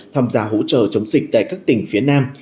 tham gia hỗ trợ chống dịch tại các tỉnh phía nam